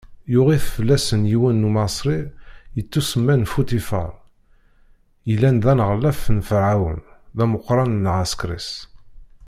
Yuɣ-it fell-asen yiwen n Umaṣri yettusemman Futifaṛ, yellan d aneɣlaf n Ferɛun, d ameqran n lɛeskeṛ-is.